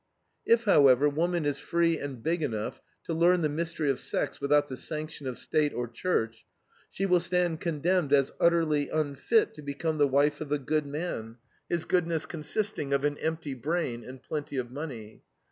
If, however, woman is free and big enough to learn the mystery of sex without the sanction of State or Church, she will stand condemned as utterly unfit to become the wife of a "good" man, his goodness consisting of an empty brain and plenty of money.